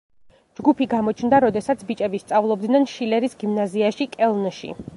ჯგუფი გამოჩნდა, როდესაც ბიჭები სწავლობდნენ შილერის გიმნაზიაში კელნში.